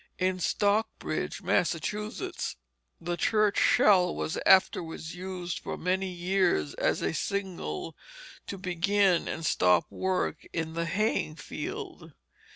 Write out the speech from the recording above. In Stockbridge, Massachusetts, the church shell was afterwards used for many years as a signal to begin and stop work in the haying field.